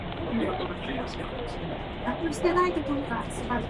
The newspaper claims to be "The First Newspaper Published In The World Every Day".